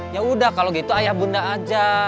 ya udah kalau gitu ayah bunda aja